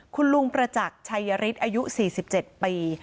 คุณลุงประจักษ์ชัยฤทธิ์อายุ๔๗ปี